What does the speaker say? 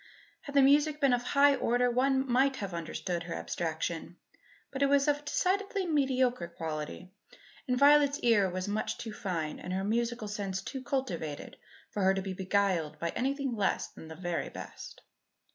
Had the music been of a high order one might have understood her abstraction; but it was of a decidedly mediocre quality, and Violet's ear was much too fine and her musical sense too cultivated for her to be beguiled by anything less than the very best.